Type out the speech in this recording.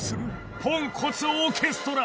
ポンコツオーケストラ